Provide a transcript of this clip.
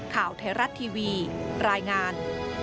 ข่าวไทยรัฐทีวีรายงาน